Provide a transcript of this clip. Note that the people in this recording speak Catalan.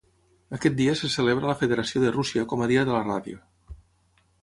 Aquest dia se celebra a la Federació de Rússia com a Dia de la Ràdio.